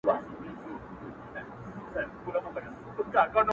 قلم د زلفو يې د هر چا زنده گي ورانوي ـ